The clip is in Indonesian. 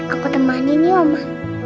aku temanin ya ma